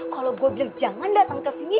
kalau gue bilang jangan datang ke sini